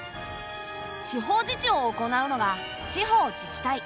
地方自治を行うのが地方自治体。